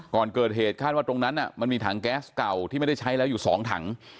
ก่อนเกิดเหตุคาดว่าตรงนั้นมันมีถังแก๊สเก่าที่ไม่ได้ใช้แล้วอยู่๒ถัง